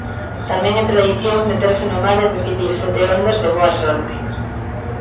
Tamén é tradición meterse no mar e recibir sete ondas de boa sorte.